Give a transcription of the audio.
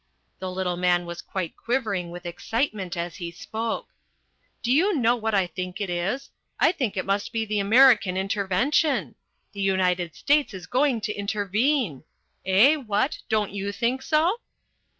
The little man was quite quivering with excitement as he spoke. "Do you know what I think it is? I think it must be the American Intervention. The United States is going to intervene. Eh? What? Don't you think so?"